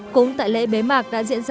cũng tại lễ bế mạc đã diễn ra